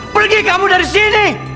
pergi kamu dari sini